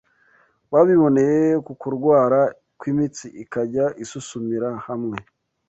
babiboneye ku kurwara kw’imitsi ikajya isusumira hamwe